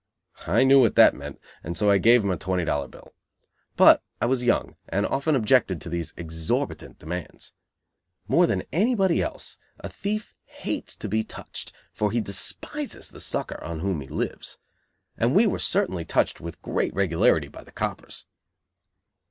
I knew what that meant, and so I gave him a twenty dollar bill. But I was young and often objected to these exorbitant demands. More than anybody else a thief hates to be "touched," for he despises the sucker on whom he lives. And we were certainly touched with great regularity by the coppers.